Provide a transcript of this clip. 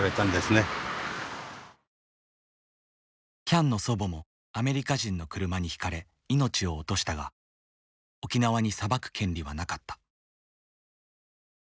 喜屋武の祖母もアメリカ人の車にひかれ命を落としたが沖縄に裁く権利はなかった。